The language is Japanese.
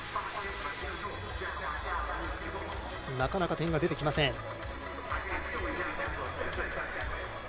なかなか点が出てきません。